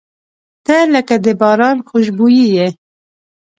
• ته لکه د باران خوشبويي یې.